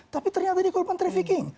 tapi ternyata ini korban trafficking